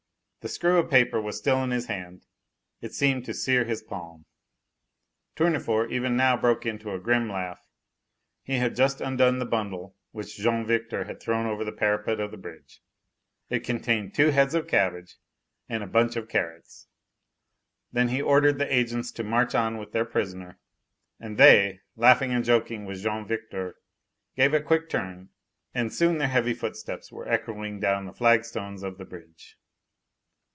The screw of paper was still in his hand; it seemed to sear his palm. Tournefort even now broke into a grim laugh. He had just undone the bundle which Jean Victor had thrown over the parapet of the bridge. It contained two heads of cabbage and a bunch of carrots. Then he ordered the agents to march on with their prisoner, and they, laughing and joking with Jean Victor, gave a quick turn, and soon their heavy footsteps were echoing down the flagstones of the bridge.